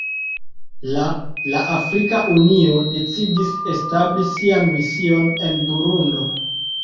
La la Afrika Unio decidis establi sian mision en Burundo.